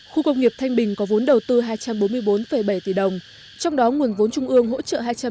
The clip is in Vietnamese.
khu công nghiệp thanh bình có vốn đầu tư hai trăm bốn mươi bốn bảy tỷ đồng trong đó nguồn vốn trung ương hỗ trợ